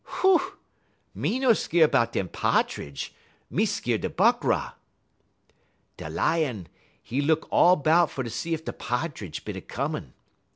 Hoo! me no skeer 'bout dem Pa'tridge. Me skeer da Buckra.' "Da Lion, 'e look all 'bout fer see ef da Pa'tridge bin comin'.